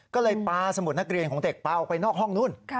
ก็เลยปลาสมุดนักเรียนของเด็กปลาออกไปนอกห้องนู้น